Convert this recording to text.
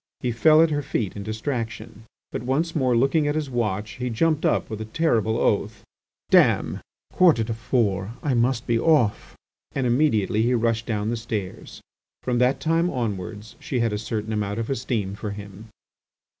He fell at her feet in distraction, but once more looking at his watch, he jumped up with a terrible oath. "D—! a quarter to four! I must be off." And immediately he rushed down the stairs. From that time onwards she had a certain amount of esteem for him.